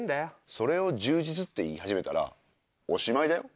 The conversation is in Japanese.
それを充実って言い始めたらおしまいだよ？